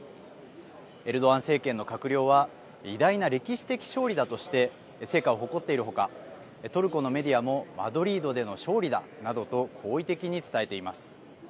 エルドアン政権の閣僚は偉大な歴史的勝利だとして成果を誇っているほかトルコのメディアもマドリードでの勝利だ、などと好意的に伝えています。